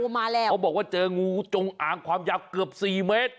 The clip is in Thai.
มาแล้วเขาบอกว่าเจองูจงอางความยาวเกือบสี่เมตร